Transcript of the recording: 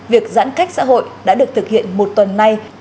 việc giãn cách xã hội đã được thực hiện một tuần nay